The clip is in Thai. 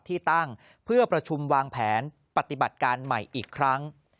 ที่ตั้งเพื่อประชุมวางแผนปฏิบัติการใหม่อีกครั้ง